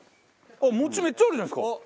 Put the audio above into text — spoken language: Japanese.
餅めっちゃあるじゃないですか。